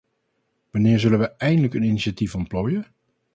Wanneer zullen wij eindelijk een initiatief ontplooien?